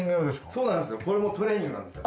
そうなんですよ。